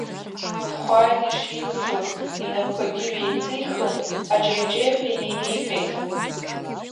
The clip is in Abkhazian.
Дхәааит ишилшоз, инапқәагьы ҩеиҵихын, аҿеҩ-ҿеҩҳәа инеиниҟьеит.